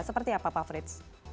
seperti apa pak frits